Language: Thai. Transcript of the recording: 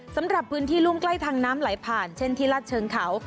สำหรับพื้นที่รุ่มใกล้ทางน้ำไหลผ่านเช่นที่ลาดเชิงเขา